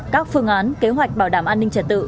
các phương án kế hoạch bảo đảm an ninh trật tự